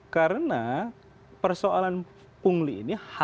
karena persoalan pungli ini harus dilihat